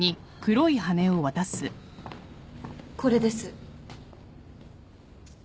これです。